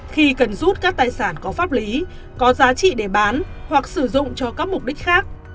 khi cần rút các tài sản có pháp lý có giá trị để bán hoặc sử dụng cho các mục đích khác